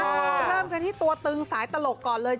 เริ่มกันที่ตัวตึงสายตลกก่อนเลย